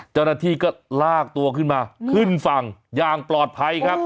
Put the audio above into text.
เจ้าหน้าที่ก็ลากตัวขึ้นมาขึ้นฝั่งอย่างปลอดภัยครับ